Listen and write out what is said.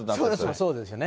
そうですね。